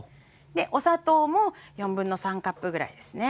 お砂糖も3/4カップぐらいですね。